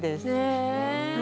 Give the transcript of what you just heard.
へえ。